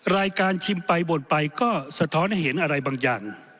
ชิมไปบ่นไปก็สะท้อนให้เห็นอะไรบางอย่าง